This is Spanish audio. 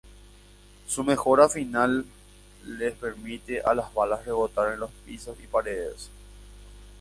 Su mejora final les permite a las balas rebotar en los pisos y paredes.